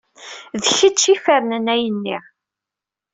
D kečč ay ifernen ayenni.